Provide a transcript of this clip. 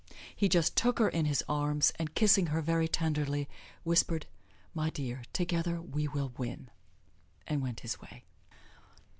He just took her in his arms, and kissing her very tenderly whispered, "My dear, together we will win," and went his way.